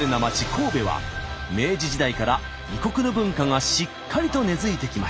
神戸は明治時代から異国の文化がしっかりと根づいてきました。